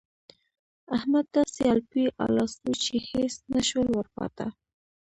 احمد داسې الپی الا سو چې هيڅ نه شول ورپاته.